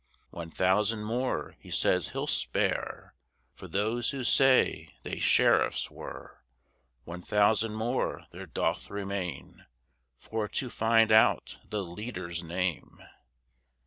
One thousand more he says he'll spare, For those who say they sheriffs were: One thousand more there doth remain For to find out the leader's name.